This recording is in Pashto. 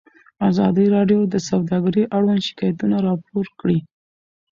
ازادي راډیو د سوداګري اړوند شکایتونه راپور کړي.